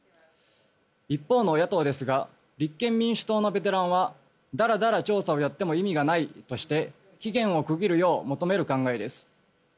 一方の野党ですが立憲民主党のベテランはだらだら調査をやっても意味がないとして期限を区切るよう求める考えです。